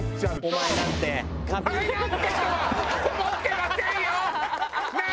「お前なんて」とは思ってませんよ！